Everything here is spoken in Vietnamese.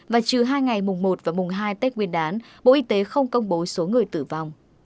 và trừ hai ngày mùng một và mùng hai tết nguyên đán bộ y tế không công bố số người tử vong